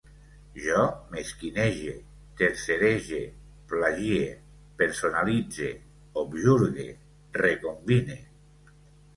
Jo mesquinege, tercerege, plagie, personalitze, objurgue, recombine